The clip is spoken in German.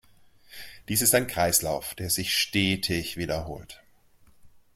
Dies ist ein Kreislauf, der sich stetig wiederholt.